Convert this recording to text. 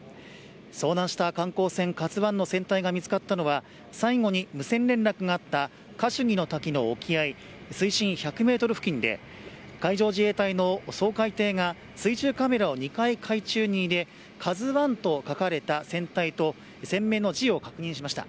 遭難した観光船「ＫＡＺＵ１」の船体が見つかったのは最後に無線連絡があったカシュニの滝の沖合水深１００ｍ付近で海上自衛隊の掃海艇が水中カメラを２回海中に入れ「ＫＡＺＵ１」と書かれた船体と船名の字を確認しました。